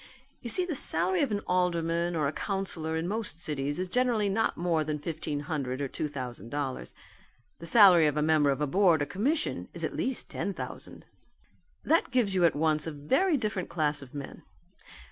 You see the salary of an alderman or councillor in most cities is generally not more than fifteen hundred or two thousand dollars. The salary of a member of a board or commission is at least ten thousand. That gives you at once a very different class of men.